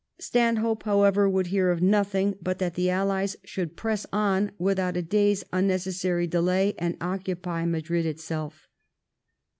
Stanhope, however, would hear of nothing but that the Allies should press on without a day's unnecessary delay and occupy Madrid itself.